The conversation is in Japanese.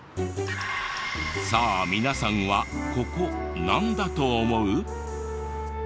さあ皆さんはここなんだと思う？